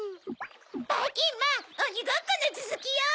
ばいきんまんおにごっこのつづきよ。